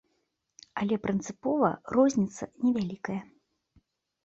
Але прынцыпова розніца не вялікая.